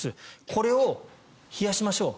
これを冷やしましょう。